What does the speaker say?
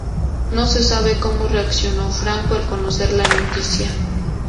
No se sabe cómo reaccionó Franco al conocer la noticia.